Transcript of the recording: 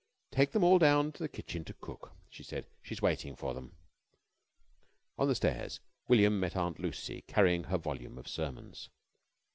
"Take them all down to the kitchen to cook," she said. "She's waiting for them." On the stairs William met Aunt Lucy carrying her volume of sermons.